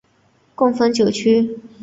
共分九区。